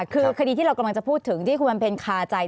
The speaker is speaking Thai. คือคดีที่เรากำลังจะพูดถึงที่คุณบำเพ็ญคาใจ